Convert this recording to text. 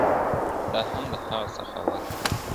دا هم د هغه سخاوت و.